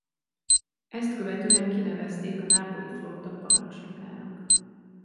Ezt követően kinevezték a nápolyi flotta parancsnokának.